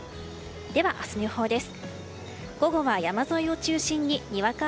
では、明日の予報です。